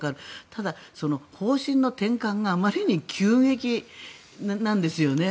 ただ、方針の転換があまりに急激なんですよね。